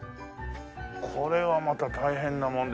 これはまた大変なもので。